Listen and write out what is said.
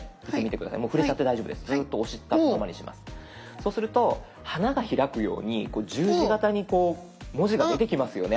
そうすると花が開くように十字形にこう文字が出てきますよね。